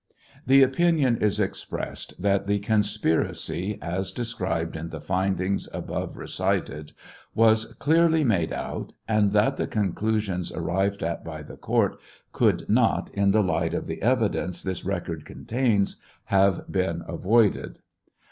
The opinion is expressed that the conspiracy, as described in the findings above recited, was clearly made out, and that the conclusions arrived at by the court could not, in the light of the evidence this records contains, have been avoided.